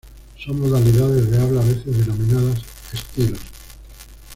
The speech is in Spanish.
Son modalidades de habla, a veces denominadas "estilos".